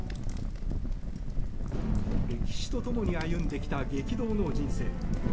歴史とともに歩んできた激動の人生。